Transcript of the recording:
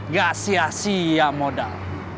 gak sia sia modal